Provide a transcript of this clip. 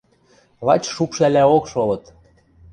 Лач шукшвлӓлӓок шолыт.